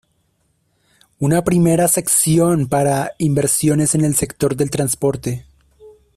Una primera sección para inversiones en el sector del transporte.